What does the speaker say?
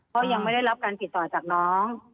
เพราะยังไม่ได้รับการติดต่อจากน้อง